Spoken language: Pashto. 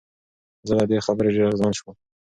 زه له دې خبرې ډېر اغېزمن شوم.